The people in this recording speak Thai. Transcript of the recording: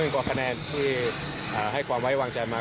กว่าคะแนนที่ให้ความไว้วางใจมา